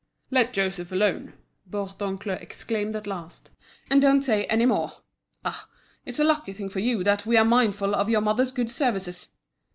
"Let Joseph alone," Bourdoncle exclaimed at last, "and don't say any more. Ah! it's a lucky thing for you that we are mindful of your mother's good services!"